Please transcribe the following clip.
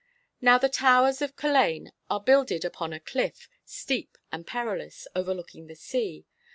Now, the towers of Culzean are builded upon a cliff, steep and perilous, overlooking the sea.